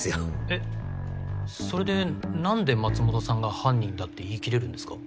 えっそれで何で松本さんが犯人だって言い切れるんですか？